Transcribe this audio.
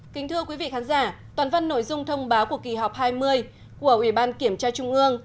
kính thưa quý vị khán giả toàn văn nội dung thông báo của kỳ họp hai mươi của ủy ban kiểm tra trung ương